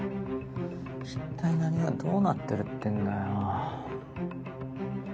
一体何がどうなってるってんだよ。